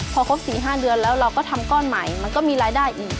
พอครบ๔๕เดือนแล้วเราก็ทำก้อนใหม่มันก็มีรายได้อีก